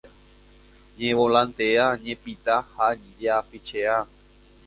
Ñevolantea ñepinta ha jeʼafichea.